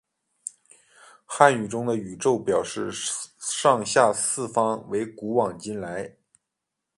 汉语中的宇宙表示上下四方为古往今来为。